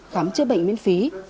khám chữa bệnh miễn phí